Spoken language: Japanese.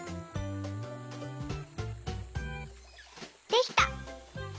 できた！